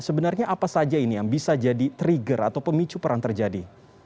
sebenarnya apa saja ini yang bisa jadi trigger atau pemicu perang terjadi